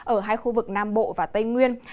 ở hai khu vực nam bộ và tây nguyên